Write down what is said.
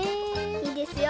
いいですよ。